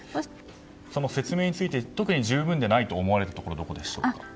説明について特に十分でないと思われる部分はどこでしょうか。